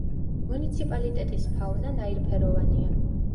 მუნიციპალიტეტის ფაუნა ნაირფეროვანია.